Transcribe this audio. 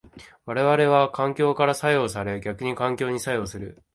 我々は環境から作用され逆に環境に作用する。